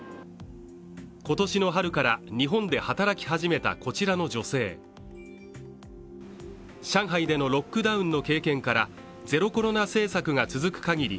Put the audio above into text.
今年の春から日本で働き始めたこちらの女性上海でのロックダウンの経験からゼロコロナ政策が続くかぎり